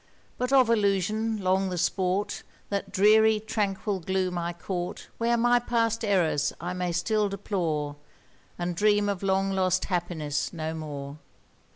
But of Illusion long the sport, That dreary, tranquil gloom I court Where my past errors I may still deplore And dream of long lost happiness no more!